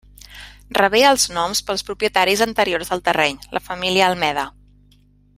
Rebé el nom pels propietaris anteriors del terreny, la família Almeda.